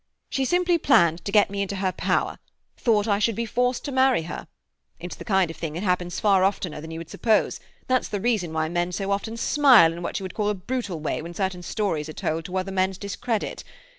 She simply planned to get me into her power—thought I should be forced to marry her. It's the kind of thing that happens far oftener than you would suppose; that's the reason why men so often smile in what you would call a brutal way when certain stories are told to other men's discredit.